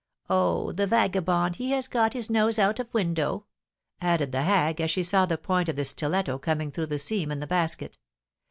Oh, the vagabond, he has got his nose out of window!" added the hag, as she saw the point of the stiletto coming through the seam in the basket.